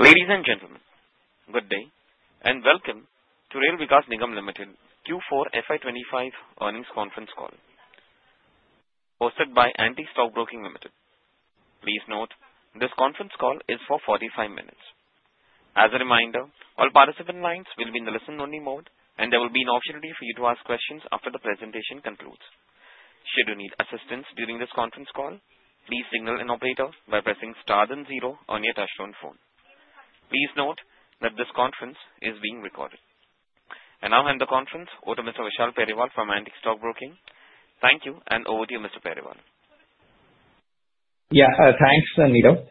Ladies and gentlemen, good day, and welcome to Rail Vikas Nigam Limited Q4 FY25 earnings conference call, hosted by Antique Stock Broking Limited. Please note, this conference call is for 45 minutes. As a reminder, all participant lines will be in the listen-only mode, and there will be an opportunity for you to ask questions after the presentation concludes. Should you need assistance during this conference call, please signal an operator by pressing star then zero on your touch-tone phone. Please note that this conference is being recorded. And now, I hand the conference over to Mr. Vishal Periwal from Antique Stock Broking. Thank you, and over to you, Mr. Periwal. Yeah, thanks, Nigam.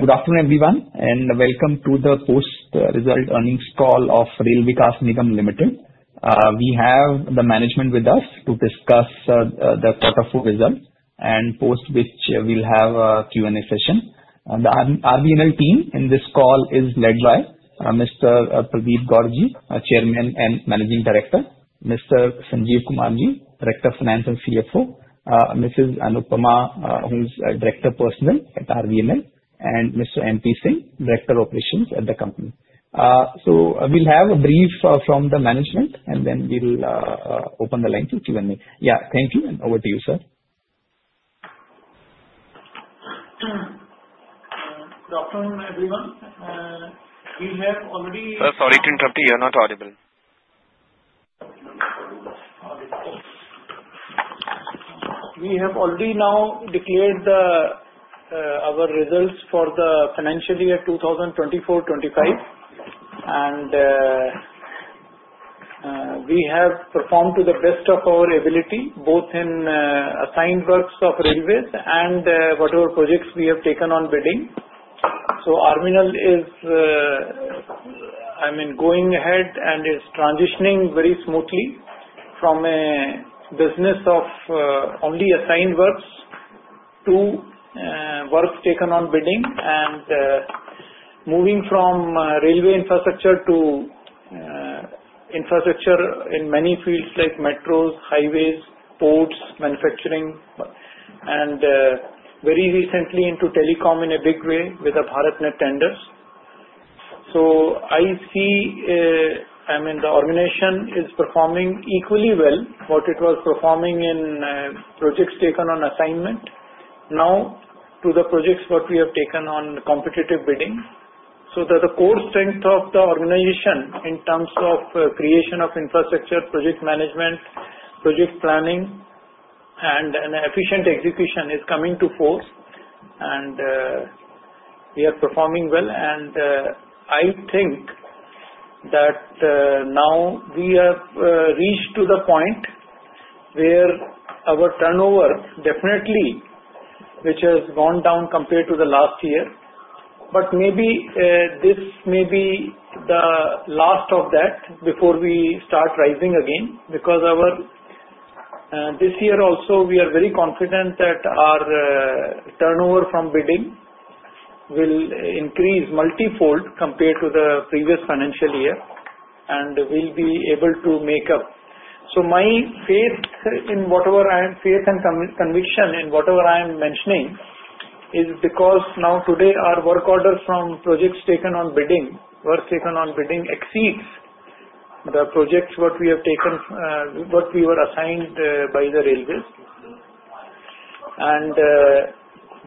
Good afternoon, everyone, and welcome to the post-result earnings call of Rail Vikas Nigam Limited. We have the management with us to discuss the quarter four result and post which we'll have a Q&A session. The RVNL team in this call is led by Mr. Pradeep Gaur, Chairman and Managing Director, Mr. Sanjeev Kumar, Director of Finance and CFO, Mrs. Anupam, who's Director of Personnel at RVNL, and Mr. Rajesh Prasad, Director of Operations at the company. So we'll have a brief from the management, and then we'll open the line to Q&A. Yeah, thank you, and over to you, sir. Good afternoon, everyone. We have already. Sorry to interrupt you. You're not audible. We have already now declared our results for the financial year 2024-25, and we have performed to the best of our ability, both in assigned works of railways and whatever projects we have taken on bidding, so RVNL is, I mean, going ahead, and it's transitioning very smoothly from a business of only assigned works to work taken on bidding and moving from railway infrastructure to infrastructure in many fields like metros, highways, ports, manufacturing, and very recently into telecom in a big way with the BharatNet tenders, so I see, I mean, the organization is performing equally well what it was performing in projects taken on assignment, now to the projects what we have taken on competitive bidding, so the core strength of the organization in terms of creation of infrastructure, project management, project planning, and efficient execution is coming to force, and we are performing well. I think that now we have reached to the point where our turnover definitely has gone down compared to the last year. Maybe this may be the last of that before we start rising again because this year also we are very confident that our turnover from bidding will increase multi-fold compared to the previous financial year and will be able to make up. My faith in whatever I have faith and conviction in whatever I am mentioning is because now today our work orders from projects taken on bidding, work taken on bidding exceeds the projects what we have taken, what we were assigned by the railways.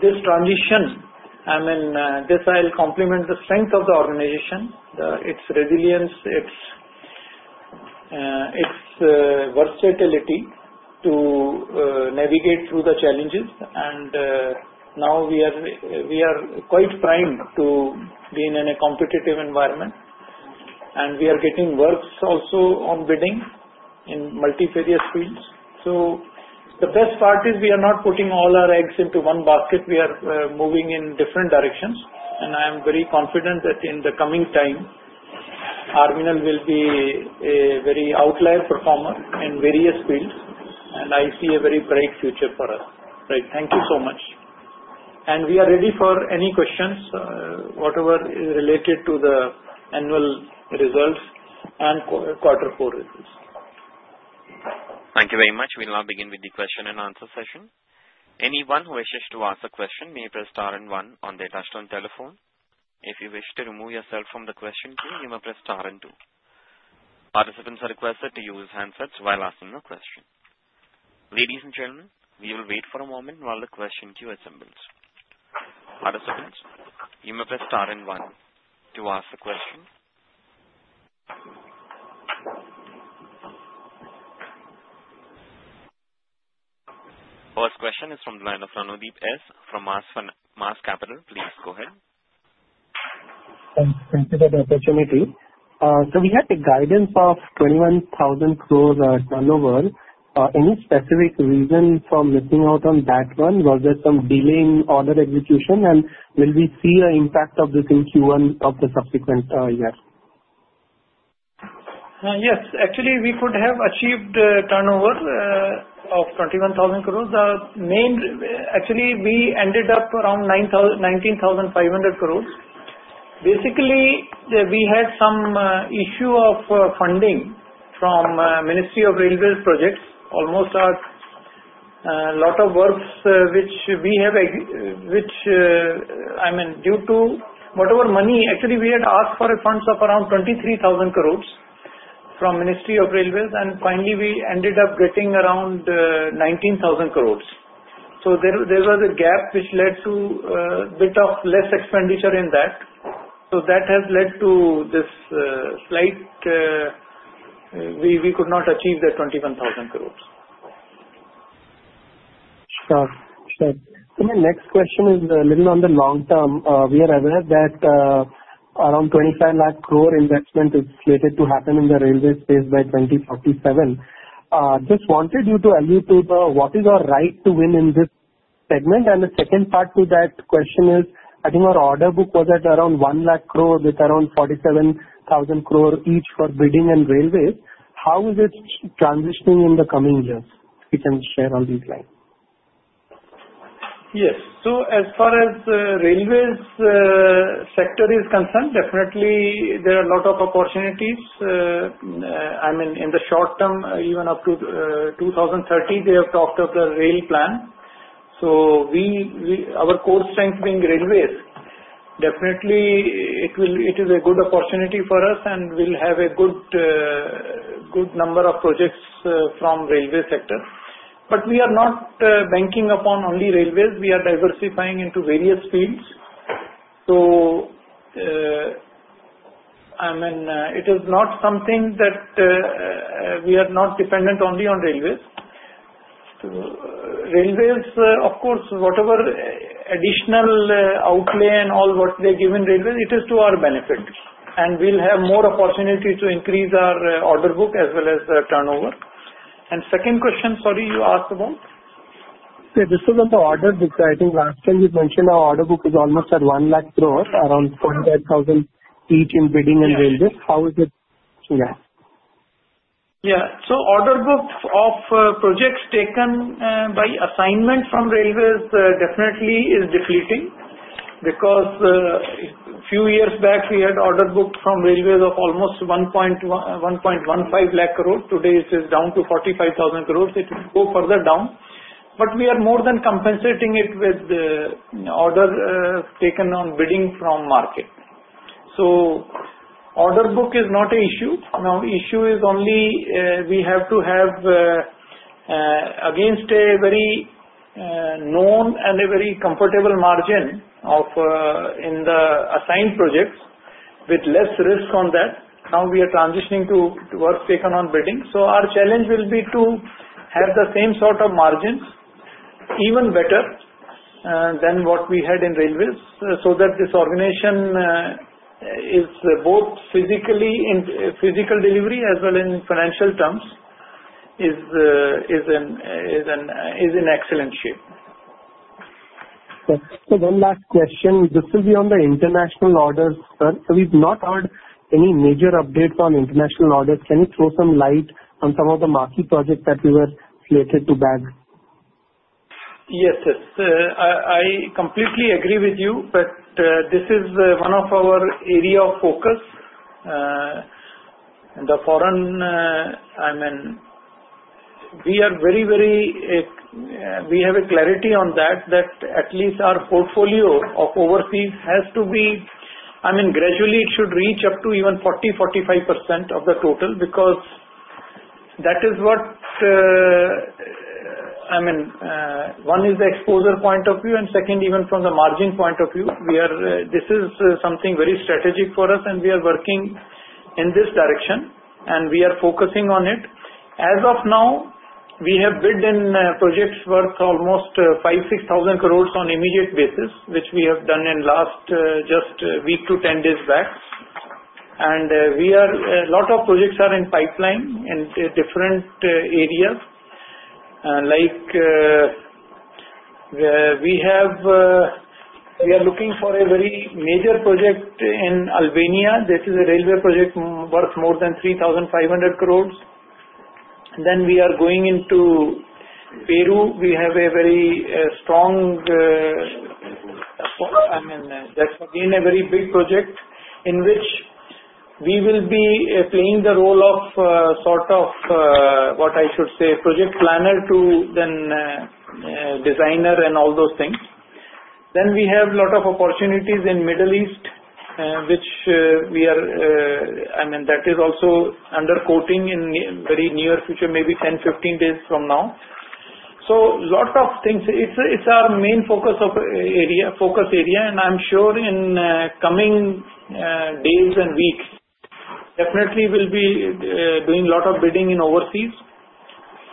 This transition, I mean, this I'll complement the strength of the organization, its resilience, its versatility to navigate through the challenges. Now we are quite primed to be in a competitive environment, and we are getting works also on bidding in multifarious fields. The best part is we are not putting all our eggs into one basket. We are moving in different directions, and I am very confident that in the coming time, RVNL will be a very outlier performer in various fields, and I see a very bright future for us. Right, thank you so much. We are ready for any questions, whatever is related to the annual results and quarter four results. Thank you very much. We'll now begin with the question and answer session. Anyone who wishes to ask a question may press star and one on their touch-tone telephone. If you wish to remove yourself from the question queue, you may press star and two. Participants are requested to use handsets while asking a question. Ladies and gentlemen, we will wait for a moment while the question queue assembles. Participants, you may press star and one to ask a question. First question is from the line of Ranodeep Sen from MAS Capital. Please go ahead. Thank you for the opportunity. So we had a guidance of 21,000 crores turnover. Any specific reason for missing out on that one? Was there some delay in order execution, and will we see an impact of this in Q1 of the subsequent year? Yes, actually, we could have achieved turnover of 21,000 crores. Actually, we ended up around 19,500 crores. Basically, we had some issue of funding from the Ministry of Railways projects. Almost a lot of works which we have, which, I mean, due to whatever money, actually, we had asked for funds of around 23,000 crores from the Ministry of Railways, and finally, we ended up getting around 19,000 crores. So there was a gap which led to a bit of less expenditure in that. So that has led to this slight we could not achieve the 21,000 crores. Sure, sure. So my next question is a little on the long term. We are aware that around 25 lakh crore investment is slated to happen in the railway space by 2047. Just wanted you to allude to what is our right to win in this segment. And the second part to that question is, I think our order book was at around 1 lakh crore with around 47,000 crore each for bidding and railways. How is it transitioning in the coming years? You can share on these lines. Yes, so as far as the railways sector is concerned, definitely there are a lot of opportunities. I mean, in the short term, even up to 2030, they have talked of the rail plan. So our core strength being railways, definitely it is a good opportunity for us, and we'll have a good number of projects from the railway sector. But we are not banking upon only railways. We are diversifying into various fields. So, I mean, it is not something that we are not dependent only on railways. Railways, of course, whatever additional outlay and all what they give in railways, it is to our benefit, and we'll have more opportunity to increase our order book as well as the turnover. And second question, sorry, you asked about? This was on the order book. I think last time you mentioned our order book is almost at one lakh crores, around 25,000 each in bidding and railways. How is it? Yeah. Yeah, so the order book of projects taken by assignment from railways definitely is depleting because a few years back, we had order book from railways of almost 1.15 lakh crores. Today, it is down to 45,000 crores. It will go further down. But we are more than compensating it with the order taken on bidding from market. So order book is not an issue. Now, the issue is only we have to have against a very known and a very comfortable margin in the assigned projects with less risk on that. Now we are transitioning to work taken on bidding. So our challenge will be to have the same sort of margins, even better than what we had in railways, so that this organization is both physical delivery as well as in financial terms is in excellent shape. So one last question. This will be on the international orders, sir. So we've not heard any major updates on international orders. Can you throw some light on some of the marquee projects that you were slated to bag? Yes, yes. I completely agree with you, but this is one of our areas of focus. The foreign, I mean, we are very, very we have a clarity on that, that at least our portfolio of overseas has to be, I mean, gradually it should reach up to even 40%-45% of the total because that is what, I mean, one is the exposure point of view, and second, even from the margin point of view, this is something very strategic for us, and we are working in this direction, and we are focusing on it. As of now, we have bid in projects worth almost 5,000-6,000 crores on immediate basis, which we have done in the last just week to 10 days back. And a lot of projects are in pipeline in different areas, like we are looking for a very major project in Albania. This is a railway project worth more than 3,500 crores. Then we are going into Peru. We have a very strong, I mean, that's again a very big project in which we will be playing the role of sort of what I should say, project planner to then designer and all those things. Then we have a lot of opportunities in the Middle East, which we are, I mean, that is also under quotation in very near future, maybe 10-15 days from now. So a lot of things, it's our main focus area, and I'm sure in coming days and weeks, definitely we'll be doing a lot of bidding in overseas.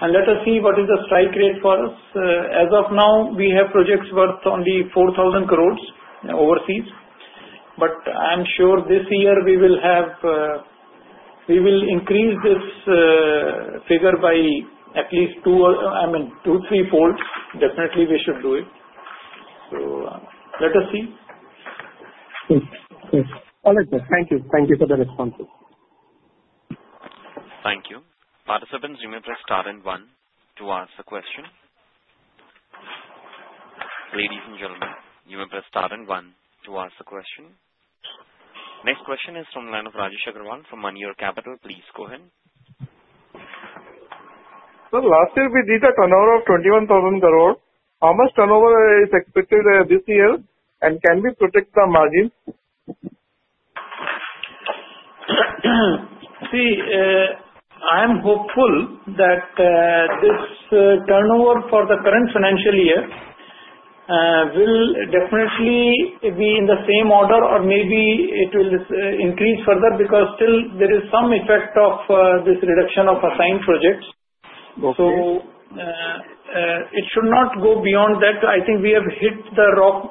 And let us see what is the strike rate for us. As of now, we have projects worth only 4,000 crores overseas, but I'm sure this year we will increase this figure by at least two, I mean, two, three-fold. Definitely, we should do it. So let us see. All right, sir. Thank you. Thank you for the responses. Thank you. Participants, you may press star and one to ask a question. Ladies and gentlemen, you may press star and one to ask a question. Next question is from the line of Rajesh Agrawal from Moneyore Capital. Please go ahead. Sir, last year we did a turnover of 21,000 crores. How much turnover is expected this year, and can we protect the margin? See, I am hopeful that this turnover for the current financial year will definitely be in the same order, or maybe it will increase further because still there is some effect of this reduction of assigned projects. So it should not go beyond that. I think we have hit the rock.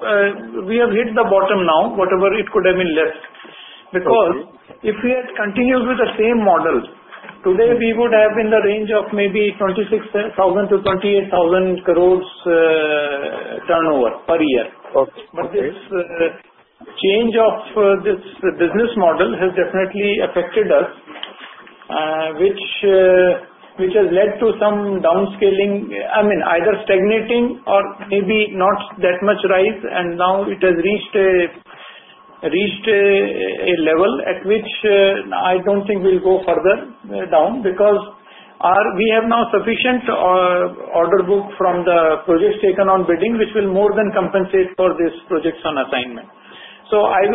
We have hit the bottom now, whatever it could have been left. Because if we had continued with the same model, today we would have been in the range of maybe 26,000-28,000 crores turnover per year. But this change of this business model has definitely affected us, which has led to some downscaling, I mean, either stagnating or maybe not that much rise, and now it has reached a level at which I don't think we'll go further down because we have now sufficient order book from the projects taken on bidding, which will more than compensate for these projects on assignment. So I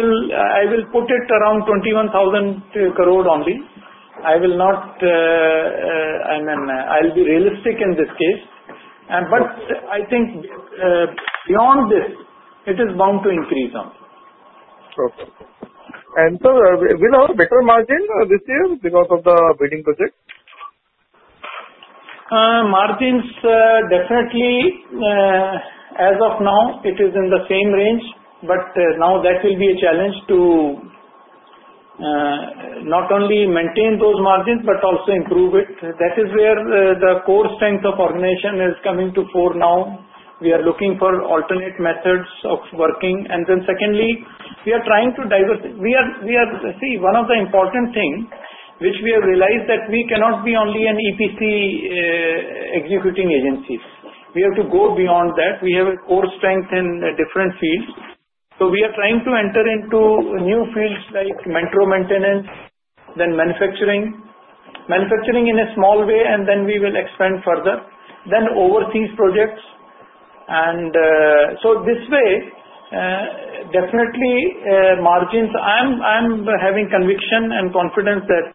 will put it around 21,000 crore only. I will not, I mean, I'll be realistic in this case. But I think beyond this, it is bound to increase now. Okay. And, sir, will our better margin this year because of the bidding projects? Margins, definitely, as of now, it is in the same range, but now that will be a challenge to not only maintain those margins but also improve it. That is where the core strength of organization is coming to the fore now. We are looking for alternate methods of working, and then secondly, we are trying to diversify. See, one of the important things which we have realized is that we cannot be only an EPC executing agency. We have to go beyond that. We have a core strength in different fields, so we are trying to enter into new fields like metro maintenance, then manufacturing, manufacturing in a small way, and then we will expand further, then overseas projects. And so this way, definitely margins. I'm having conviction and confidence that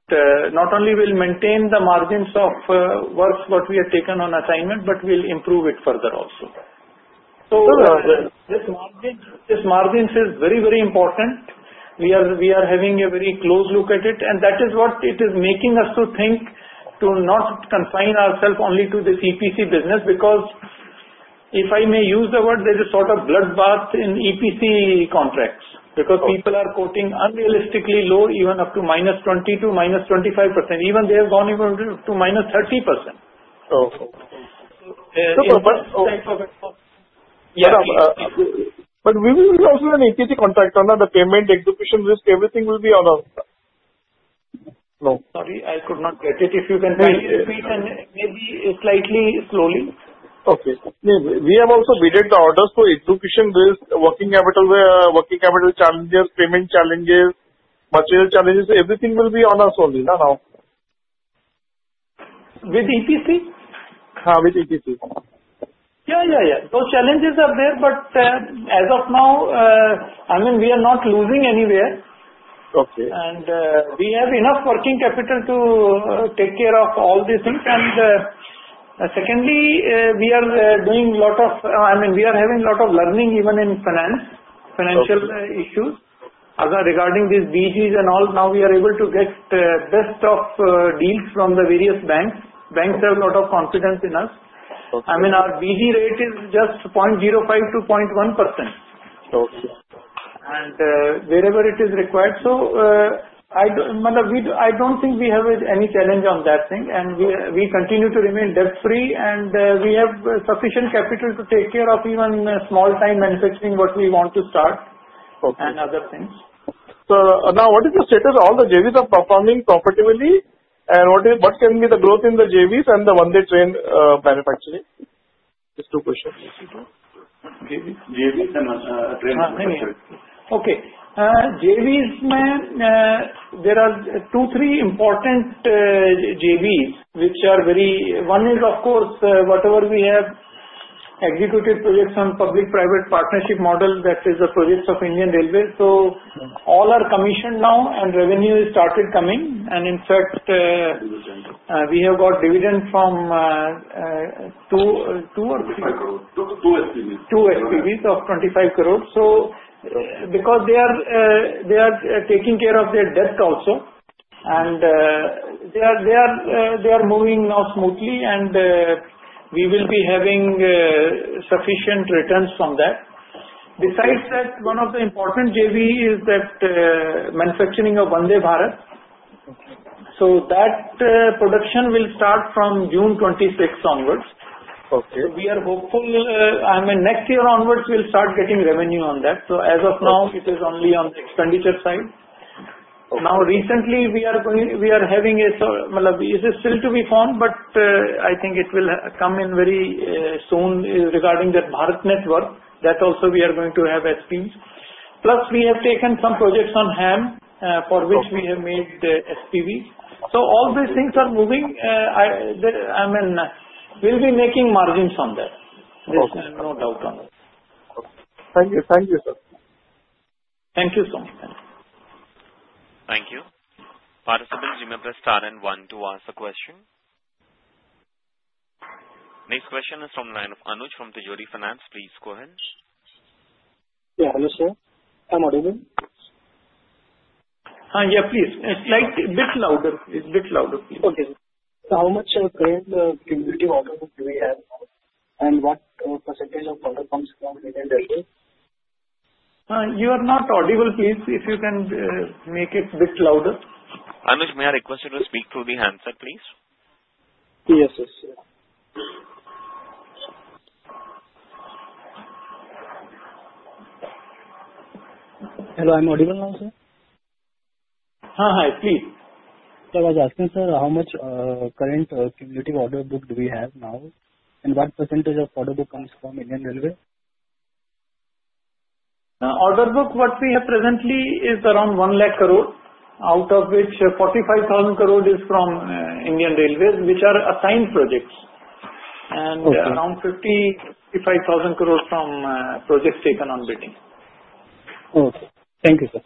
not only we'll maintain the margins of work what we have taken on assignment, but we'll improve it further also. So this margin is very, very important. We are having a very close look at it, and that is what it is making us to think to not confine ourselves only to this EPC business because if I may use the word, there is sort of bloodbath in EPC contracts because people are quoting unrealistically low, even up to -20% to -25%. Even they have gone even to -30%. Okay. But we will also have an EPC contract on that. The payment, execution risk, everything will be on our side. No. Sorry, I could not get it. If you can please repeat and maybe slightly slowly. Okay. We have also bid the orders for execution risk, working capital, working capital challenges, payment challenges, material challenges. Everything will be on us only now. With EPC? Ha, with EPC. Yeah, yeah, yeah. Those challenges are there, but as of now, I mean, we are not losing anywhere. And we have enough working capital to take care of all these things. And secondly, we are doing a lot of, I mean, we are having a lot of learning even in finance, financial issues. Regarding these BGs and all, now we are able to get the best of deals from the various banks. Banks have a lot of confidence in us. I mean, our BG rate is just 0.05%-0.1%. And wherever it is required. So I don't think we have any challenge on that thing, and we continue to remain debt-free, and we have sufficient capital to take care of even small-time manufacturing what we want to start and other things. So now, what is the status? All the JVs are performing profitably, and what can be the growth in the JVs and the Vande train manufacturing? Just two questions. JVs and train manufacturing. Okay. JVs, man, there are two, three important JVs which are very important. One is, of course, whatever we have executed projects on public-private partnership model, that is the projects of Indian Railways. So all are commissioned now, and revenue has started coming. And in fact, we have got dividend from two or three. 25 crores. Two SPVs. Two SPVs of 25 crores. So because they are taking care of their debt also, and they are moving now smoothly, and we will be having sufficient returns from that. Besides that, one of the important JV is that manufacturing of Vande Bharat. So that production will start from June 26 onwards. So we are hopeful, I mean, next year onwards, we'll start getting revenue on that. So as of now, it is only on the expenditure side. Now, recently, we are having a, I mean, it is still to be found, but I think it will come in very soon regarding the BharatNet. That also, we are going to have SPVs. Plus, we have taken some projects on HAM for which we have made the SPVs. So all these things are moving. I mean, we'll be making margins on that. There's no doubt on that. Thank you. Thank you, sir. Thank you so much. Thank you. Participants, you may press star and one to ask a question. Next question is from the line of Anuj from Tijori Finance. Please go ahead. Yeah, hello, sir. I'm Arunan. Ha, yeah, please. It's a bit louder. It's a bit louder, please. Okay. How much of a current cumulative order book do we have now, and what % of order comes from Indian Railways? You are not audible, please. If you can make it a bit louder. Anuj, may I request you to speak through the handset, please? Yes, yes, yes. Hello, I'm audible now, sir? Hi, please. So I was asking, sir, how much current cumulative order book do we have now, and what percentage of order book comes from Indian Railways? Order book what we have presently is around 1 lakh crore, out of which 45,000 crore is from Indian Railways, which are assigned projects, and around 55,000 crore from projects taken on bidding. Okay. Thank you, sir.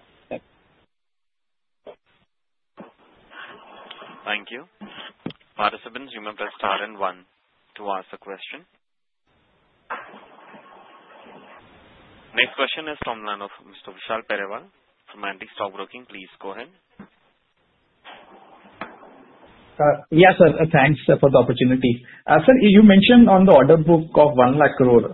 Thanks. Thank you. Participants, you may press star and one to ask a question. Next question is from the line of Mr. Vishal Periwal from Antique Stock Broking. Please go ahead. Yes, sir. Thanks for the opportunity. Sir, you mentioned on the order book of 1 lakh crore.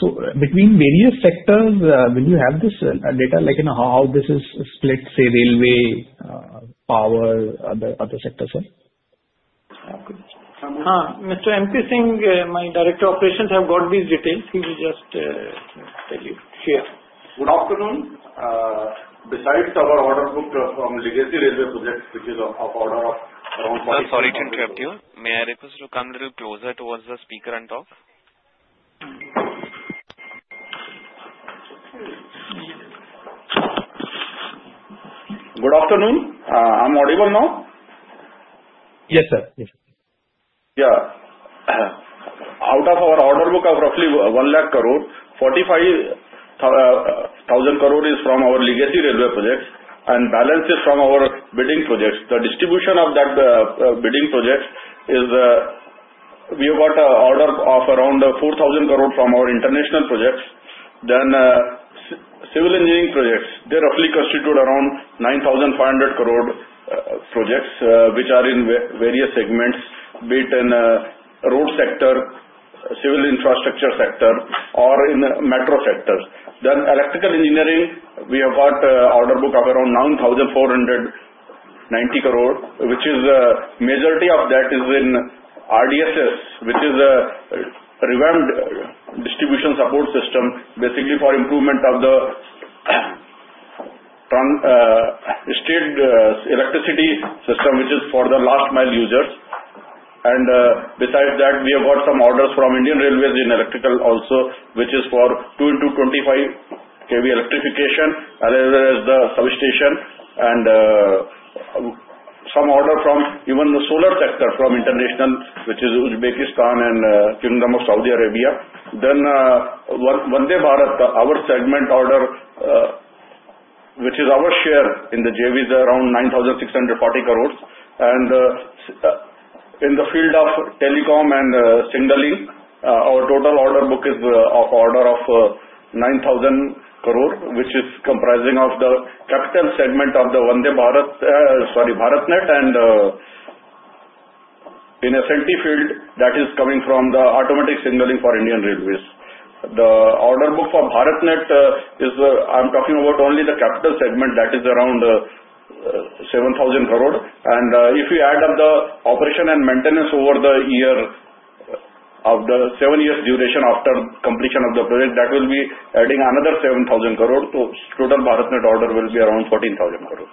So between various sectors, will you have this data, like how this is split, say, railway, power, other sectors, sir? Ha, Mr. Rajesh Prasad, my Director of Operations have got these details. He will just tell you. Yeah. Good afternoon. Besides our order book from legacy railway projects, which is of order of around 45. Sorry to interrupt you. May I request you to come a little closer towards the speaker and talk? Good afternoon. I'm audible now? Yes, sir. Yeah. Out of our order book of roughly 1 lakh crore, 45,000 crore is from our legacy railway projects, and balance is from our bidding projects. The distribution of that bidding project is we have got an order of around 4,000 crore from our international projects. Then civil engineering projects, they roughly constitute around 9,500 crore projects, which are in various segments, be it in road sector, civil infrastructure sector, or in metro sectors. Then electrical engineering, we have got an order book of around 9,490 crore, which is majority of that is in RDSS, which is a Revamped Distribution Sector Scheme, basically for improvement of the state electricity system, which is for the last mile users. And besides that, we have got some orders from Indian Railways in electrical also, which is for 2x25 kV electrification, as well as the substation, and some order from even the solar sector from international, which is Uzbekistan and Kingdom of Saudi Arabia. Then Vande Bharat, our segment order, which is our share in the JVs, is around 9,640 crore. And in the field of telecom and signaling, our total order book is of order of 9,000 crore, which is comprising of the capital segment of the Vande BharatNet, and in the safety field, that is coming from the automatic signaling for Indian Railways. The order book for BharatNet, I'm talking about only the capital segment, that is around 7,000 crore. If you add up the operation and maintenance over the year of the seven years' duration after completion of the project, that will be adding another 7,000 crore. Total BharatNet order will be around 14,000 crore.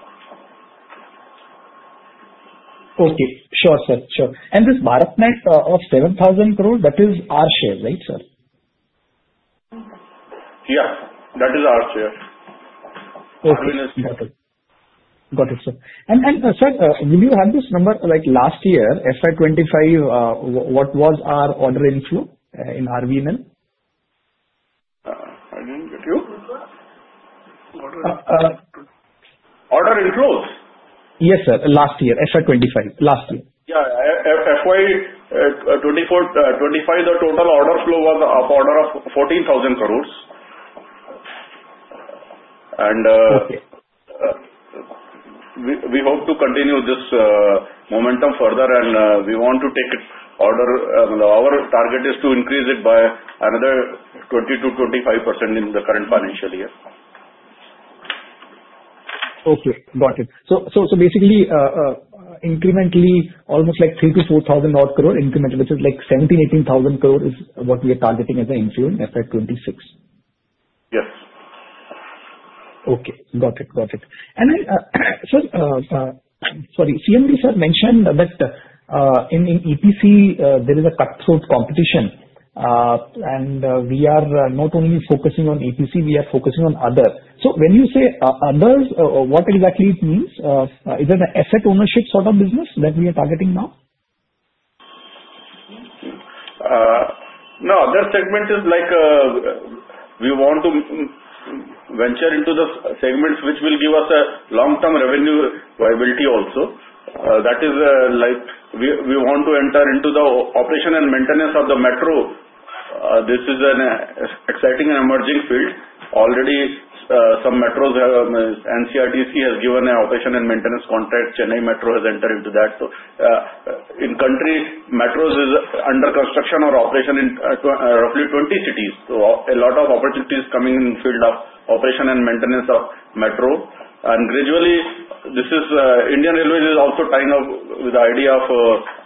Okay. Sure, sir. Sure. And this BharatNet of 7,000 crore, that is our share, right, sir? Yeah. That is our share. Okay. Got it. Got it, sir. And sir, will you have this number? Last year, FY 25, what was our order inflow in RVNL? I didn't get you. Order inflows? Yes, sir. Last year. FY 25. Last year. Yeah. FY 25, the total order flow was of order of 14,000 crores, and we hope to continue this momentum further, and we want to take it order. Our target is to increase it by another 20%-25% in the current financial year. Okay. Got it. So basically, incrementally, almost like 3,000-4,000 crore increment, which is like 17,000-18,000 crore is what we are targeting as an inflow in FY 26. Yes. Okay. Got it. Got it. And sir, sorry, CMV sir mentioned that in EPC, there is a cut-throat competition, and we are not only focusing on EPC, we are focusing on other. So when you say others, what exactly it means? Is it an asset ownership sort of business that we are targeting now? No. Other segment is like we want to venture into the segments which will give us a long-term revenue viability also. That is like we want to enter into the operation and maintenance of the metro. This is an exciting and emerging field. Already, some metros, NCRTC has given an operation and maintenance contract. Chennai Metro has entered into that. So in country, metros is under construction or operation in roughly 20 cities. So a lot of opportunities coming in the field of operation and maintenance of metro, and gradually, this is Indian Railways is also tying up with the idea of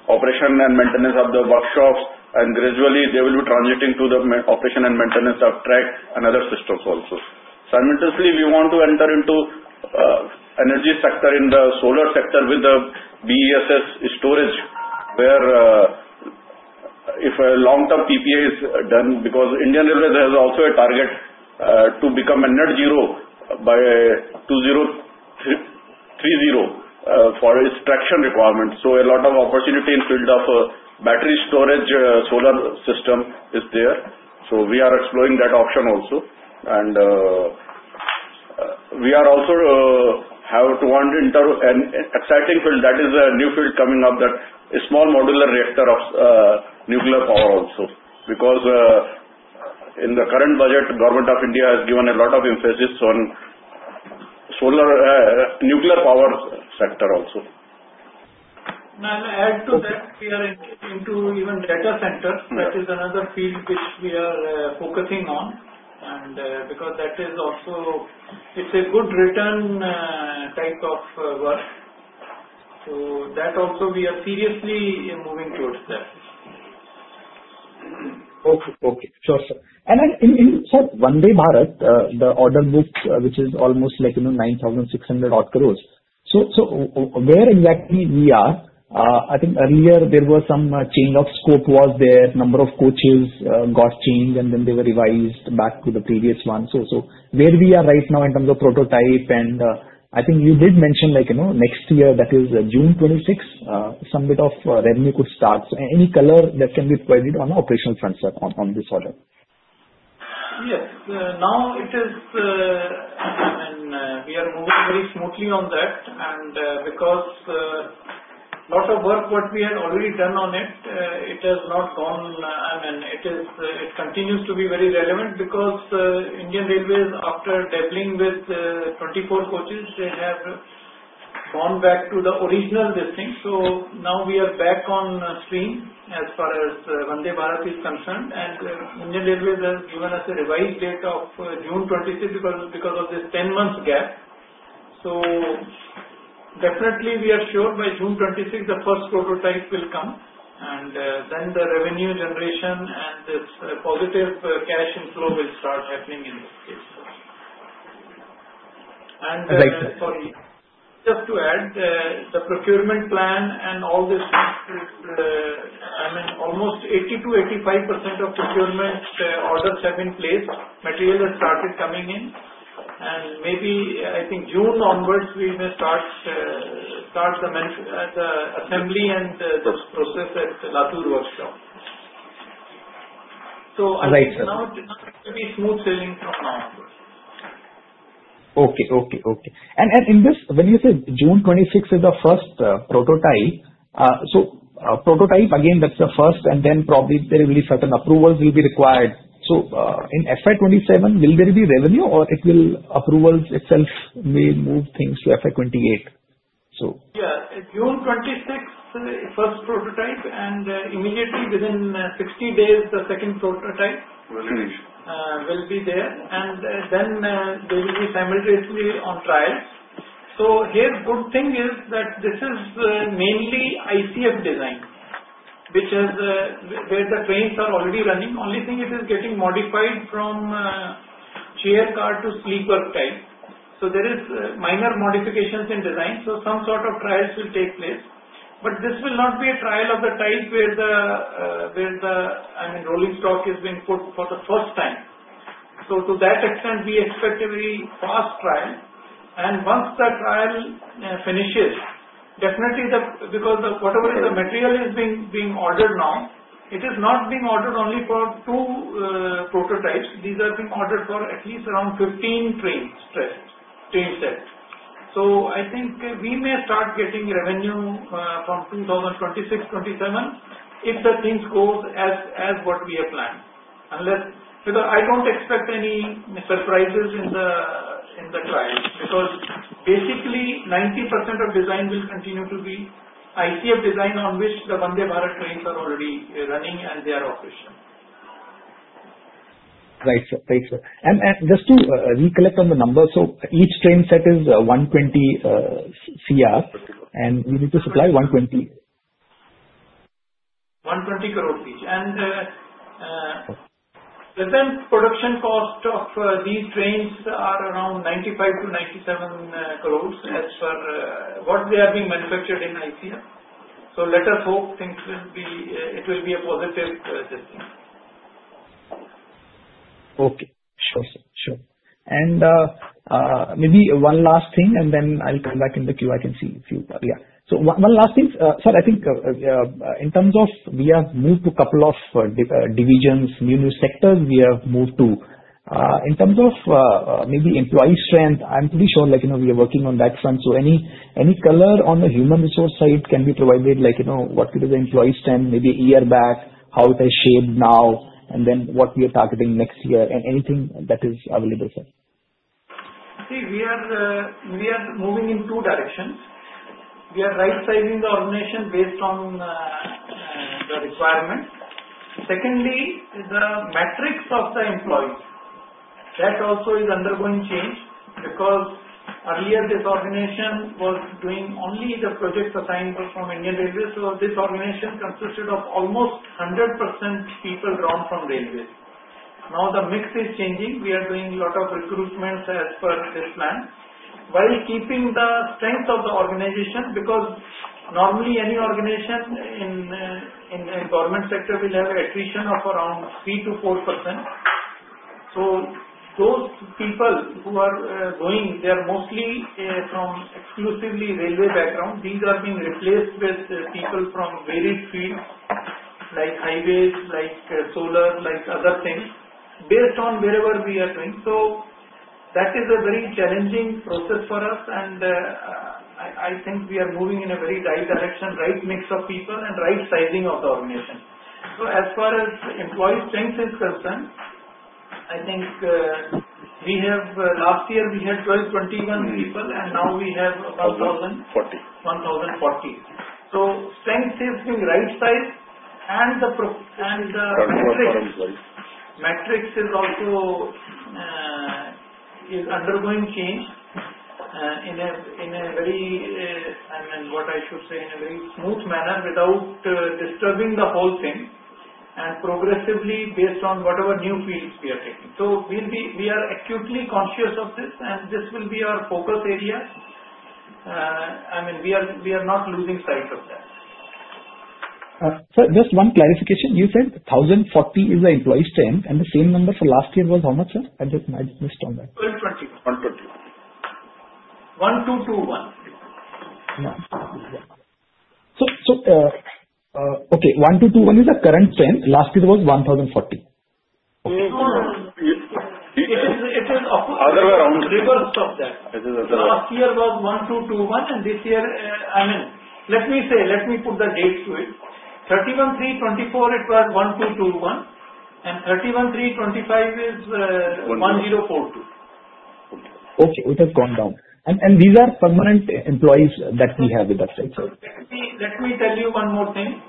operation and maintenance of the workshops, and gradually, they will be transitioning to the operation and maintenance of track and other systems also. Simultaneously, we want to enter into energy sector in the solar sector with the BESS storage, where if a long-term PPA is done, because Indian Railways has also a target to become a net-zero by 2030 for its traction requirements. So a lot of opportunity in the field of battery storage solar system is there. So we are exploring that option also. And we also want to enter into an exciting field. That is a new field coming up, that is small modular reactor of nuclear power also, because in the current budget, the Government of India has given a lot of emphasis on nuclear power sector also. And add to that, we are into even data centers. That is another field which we are focusing on, and because that is also, it's a good return type of work. So that also, we are seriously moving towards that. Okay. Sure, sir. And sir, Vande Bharat, the order book, which is almost like 9,600 crores. So where exactly we are, I think earlier, there was some change of scope was there, number of coaches got changed, and then they were revised back to the previous one. So where we are right now in terms of prototype, and I think you did mention next year, that is June 2026, some bit of revenue could start. Any color that can be provided on operational front, sir, on this order? Yes. Now, it is, I mean, we are moving very smoothly on that, and because a lot of work what we had already done on it, it has not gone, I mean, it continues to be very relevant because Indian Railways, after dabbling with 24 coaches, they have gone back to the original listing. So now, we are back on stream as far as Vande Bharat is concerned, and Indian Railways has given us a revised date of June 26 because of this 10-month gap. So definitely, we are sure by June 26, the first prototype will come, and then the revenue generation and this positive cash inflow will start happening in this case. And sorry, just to add, the procurement plan and all this is, I mean, almost 80%-85% of procurement orders have been placed. Material has started coming in, and maybe, I think, June onwards, we may start the assembly and this process at Latur workshop, so now, it's going to be smooth sailing from now onwards. Okay. And in this, when you say June 26 is the first prototype, so prototype, again, that's the first, and then probably there will be certain approvals will be required. So in FY 27, will there be revenue, or approvals itself will move things to FY 28? So. Yeah. June 26, first prototype, and immediately within 60 days, the second prototype will be there, and then they will be simultaneously on trials. So here, good thing is that this is mainly ICF design, which is where the trains are already running. Only thing, it is getting modified from chair car to sleeper type. So there are minor modifications in design. So some sort of trials will take place, but this will not be a trial of the type where the, I mean, rolling stock is being put for the first time. So to that extent, we expect a very fast trial, and once the trial finishes, definitely, because whatever the material is being ordered now, it is not being ordered only for two prototypes. These are being ordered for at least around 15 train sets. So, I think we may start getting revenue from 2026-27, if the things go as what we have planned, unless because I don't expect any surprises in the trial because basically, 90% of design will continue to be ICF design on which the Vande Bharat trains are already running, and they are operational. Right. Right. And just to recollect on the number, so each train set is 120 crore, and we need to supply 120. 120 crore each. And present production cost of these trains are around 95-97 crores as per what they are being manufactured in ICF. So let us hope it will be a positive decision. Okay. Sure. Sure. And maybe one last thing, and then I'll come back in the queue. I can see a few. Yeah. So one last thing. Sir, I think in terms of we have moved to a couple of divisions, new sectors we have moved to. In terms of maybe employee strength, I'm pretty sure we are working on that front. So any color on the human resource side can be provided, like what could be the employee strength, maybe year back, how it has shaped now, and then what we are targeting next year, and anything that is available, sir. See, we are moving in two directions. We are right-sizing the organization based on the requirement. Secondly, the metrics of the employees, that also is undergoing change because earlier, this organization was doing only the projects assigned from Indian Railways. So this organization consisted of almost 100% people drawn from railways. Now, the mix is changing. We are doing a lot of recruitments as per this plan while keeping the strength of the organization because normally, any organization in the government sector will have an attrition of around 3%-4%. So those people who are going, they are mostly from exclusively railway background. These are being replaced with people from various fields like highways, like solar, like other things based on wherever we are doing. So that is a very challenging process for us, and I think we are moving in a very right direction, right mix of people and right sizing of the organization. So as far as employee strength is concerned, I think we have last year, we had 1,221 people, and now we have about 1,040. So strength is being right-sized, and the metrics is also undergoing change in a very, I mean, what I should say, in a very smooth manner without disturbing the whole thing and progressively based on whatever new fields we are taking. So we are acutely conscious of this, and this will be our focus area. I mean, we are not losing sight of that. Sir, just one clarification. You said 1,040 is the employee strength, and the same number for last year was how much, sir? I just missed on that. 120. 120. 1221. Yeah. Okay. 1221 is the current strength. Last year was 1,040. It is the other way around, the reverse of that. Last year was 1,221, and this year, I mean, let me say, let me put the dates to it. 31/3/2024, it was 1,221, and 31/3/2025 is 1,042. Okay. It has gone down. And these are permanent employees that we have with us, right, sir? Let me tell you one more thing.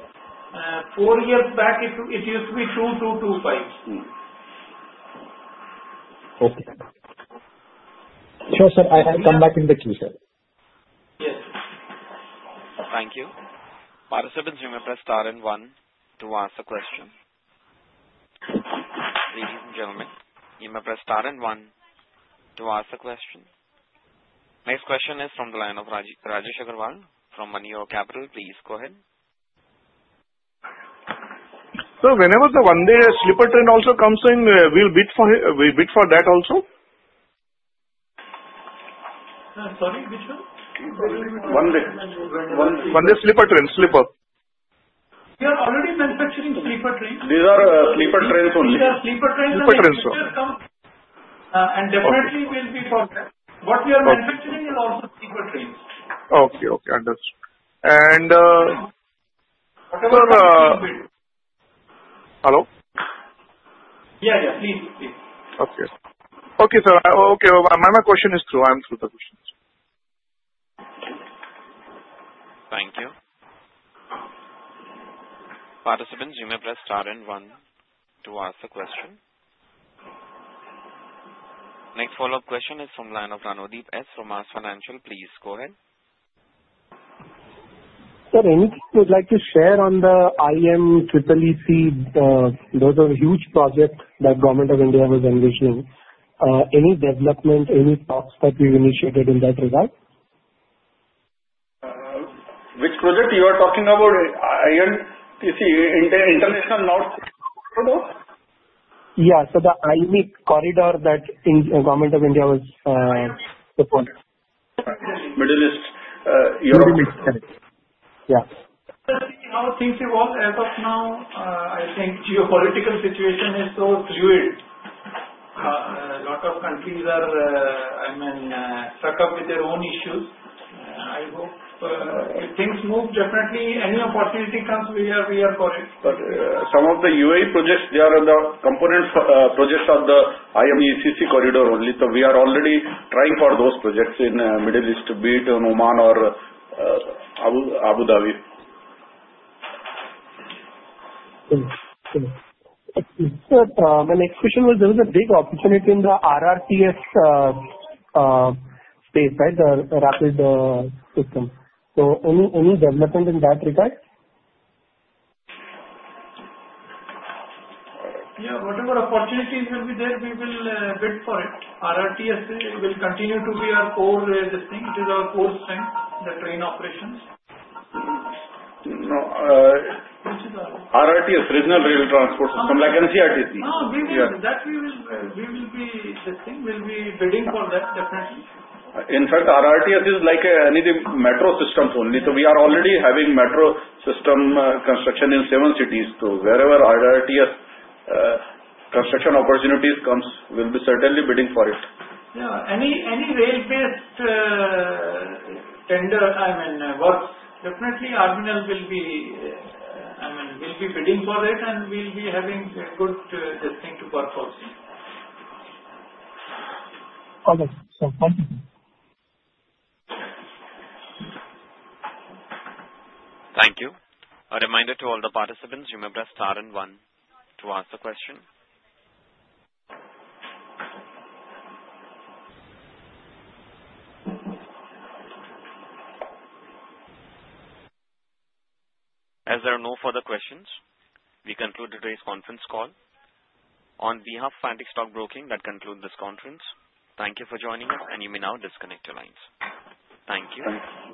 Four years back, it used to be 2x25. Okay. Sure, sir. I'll come back in the queue, sir. Yes. Thank you. Participants, you may press star and one to ask a question. Ladies and gentlemen, you may press star and one to ask a question. Next question is from the line of Rajesh Agrawal from Moneyore Capital. Please go ahead. Sir, whenever the Vande Bharat train also comes in, we bid for that also. Sorry, which one? One day sleeper train. We are already manufacturing sleeper trains. These are sleeper trains only. These are sleeper trains. Sleeper trains, sir. Definitely, we'll be for that. What we are manufacturing is also sleeper trains. Okay. Okay. Understood. And. Sir, hello? Yeah. Please. Okay, sir. My question is through. I'm through the questions. Thank you. Participants, you may press star and one to ask a question. Next follow-up question is from the line of Ranodeep Sen from MAS Capital. Please go ahead. Sir, anything you'd like to share on the IMEC? Those are huge projects that the government of India was envisioning. Any development, any thoughts that we initiated in that regard? Which project you are talking about? INSTC, International North-South Transport Corridor? Yeah. So the IMEC Corridor that the government of India was supporting. Middle East, Europe. Middle East, correct. Yeah. Let's see how things evolve as of now. I think geopolitical situation is so fluid. A lot of countries are, I mean, stuck up with their own issues. I hope things move. Definitely, any opportunity comes, we are for it. Some of the UAE projects, they are the component projects of the IMEC Corridor only. So we are already trying for those projects in Middle East, be it in Oman or Abu Dhabi. Okay. Sir, my next question was there was a big opportunity in the RRTS space, right, the rapid system. So any development in that regard? Yeah. Whatever opportunities will be there, we will bid for it. RRTS will continue to be our core this thing. It is our core strength, the train operations. RRTS, Regional Rapid Transit System, like NCRTC. No, that we will be this thing will be bidding for that, definitely. In fact, RRTS is like any metro system only. So we are already having metro system construction in seven cities. So wherever RRTS construction opportunities comes, we'll be certainly bidding for it. Yeah. Any rail-based tender, I mean, works. Definitely, RVNL will be, I mean, will be bidding for it, and we'll be having good visibility to work also. Okay. Sir, thank you. Thank you. A reminder to all the participants, you may press star and one to ask a question. As there are no further questions, we conclude today's conference call. On behalf of Antique Stock Broking, that concludes this conference. Thank you for joining us, and you may now disconnect your lines. Thank you. Thanks.